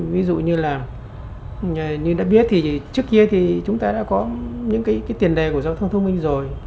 ví dụ như là như đã biết thì trước kia thì chúng ta đã có những cái tiền đề của giao thông thông minh rồi